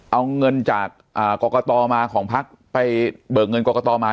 เอาเงินจากกรกตมาของพักไปเบิกเงินกรกตมา